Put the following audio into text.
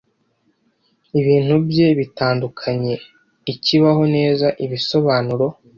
ibintu bye bitandukanye ikibaho neza ibisobanuro